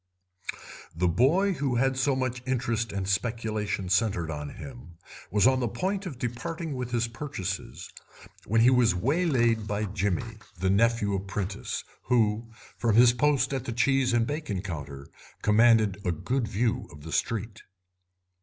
The boy who had so much interest and speculation centred on him was on the point of departing with his purchases when he was waylaid by Jimmy, the nephew apprentice, who, from his post at the cheese and bacon counter, commanded a good view of the street.